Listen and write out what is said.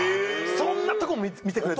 そんなとこ見てくれてる。